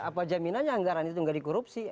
apa jaminannya anggaran itu nggak dikorupsi